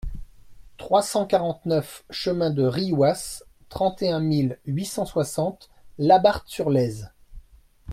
trois cent quarante-neuf chemin de Riouas, trente et un mille huit cent soixante Labarthe-sur-Lèze